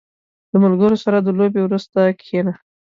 • د ملګرو سره د لوبې وروسته کښېنه.